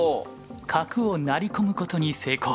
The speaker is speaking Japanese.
角を成り込むことに成功。